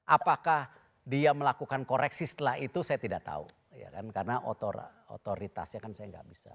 apakah dia melakukan koreksi setelah itu saya tidak tahu karena otoritasnya kan saya nggak bisa